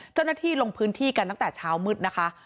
เจ้าหน้าที่ลงพื้นที่กันตั้งแต่เช้ามืดนะคะ